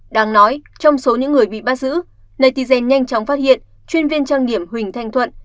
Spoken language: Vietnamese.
đáng nói trong số những người bị bắt giữ natizen nhanh chóng phát hiện chuyên viên trang điểm huỳnh thanh thuận